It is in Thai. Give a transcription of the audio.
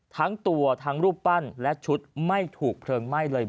ทั้งตัวทั้งรูปปั้นและชุดไม่ถูกเพลิงไหม้เลย